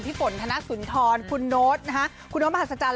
พี่ฝนธนสุนทรคุณโน๊ตคุณน้อมหัศจรรย์